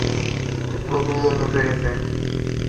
ওগুলো মুছে গেছে।